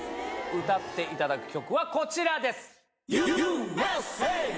歌っていただく曲はこちらです。